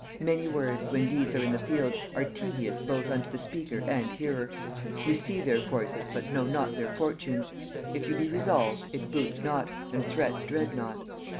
_) Many words, when deeds are in the field, are tedious both unto the speaker and hearer. You see their forces, but know not their fortunes: if you be resolved, it boots not, and threats dread not.